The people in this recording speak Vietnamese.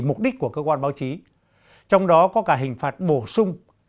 mục đích của cơ quan báo chí trong đó có cả hình phạt bổ sung